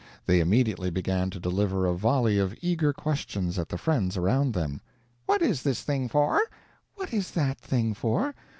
They immediately began to deliver a volley of eager questions at the friends around them: "What is this thing for?" "What is that thing for?"